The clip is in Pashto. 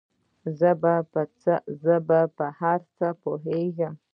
زۀ په هر څه پوهېږم